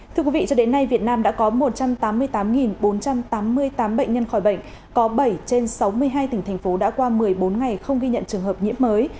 thưa quý vị cho đến nay việt nam đã có một trăm tám mươi tám bốn trăm tám mươi tám bệnh nhân khỏi bệnh có bảy trên sáu mươi hai tỉnh thành phố đã qua một mươi bốn ngày không ghi nhận trường hợp nhiễm mới